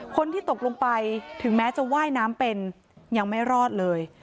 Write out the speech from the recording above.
คนที่ตกลงไปถึงแม้จะว่ายน้ำเป็นยังไม่รอดเลย